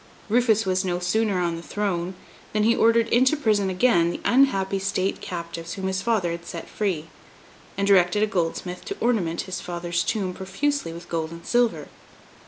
Rufus was no sooner on the throne, than he ordered into prison again the unhappy state captives whom his father had set free, and directed a goldsmith to ornament his father's tomb profusely with gold and silver.